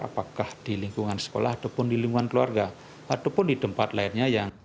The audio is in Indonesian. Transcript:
apakah di lingkungan sekolah ataupun di lingkungan keluarga ataupun di tempat lainnya yang